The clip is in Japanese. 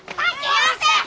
よせ！